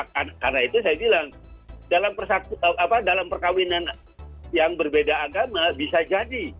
karena itu saya bilang dalam persatu apa dalam perkawinan yang berbeda agama bisa jadi